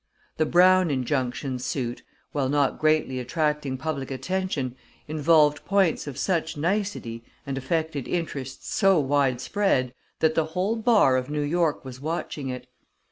The Brown injunction suit, while not greatly attracting public attention, involved points of such nicety and affected interests so widespread, that the whole bar of New York was watching it.